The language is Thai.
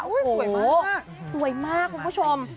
สวยมากสวยมากคุณผู้ชม